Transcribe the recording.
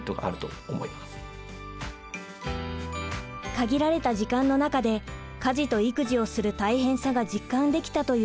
限られた時間の中で家事と育児をする大変さが実感できたという大津さん。